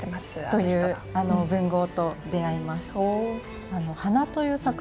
という文豪と出会います。